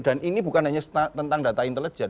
ini bukan hanya tentang data intelijen